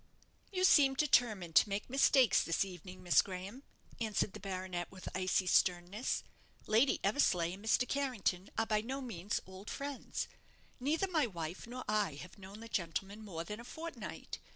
"You seemed determined to make mistakes this evening, Miss Graham," answered the baronet, with icy sternness. "Lady Eversleigh and Mr. Carrington are by no means old friends. Neither my wife nor I have known the gentleman more than a fortnight.